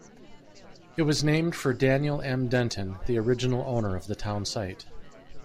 It was named for Daniel M. Denton, the original owner of the town site.